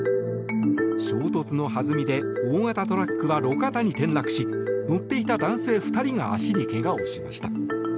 衝突の弾みで大型トラックは路肩に転落し乗っていた男性２人が足に怪我をしました。